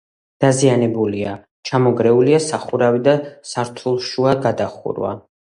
დაზიანებულია: ჩამონგრეულია სახურავი და სართულშუა გადახურვა.